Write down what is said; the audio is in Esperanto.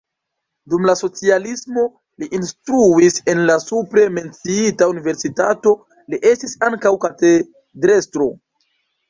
Dum la socialismo li instruis en la supre menciita universitato, li estis ankaŭ katedrestro.